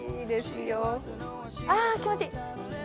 あ、気持ちいい！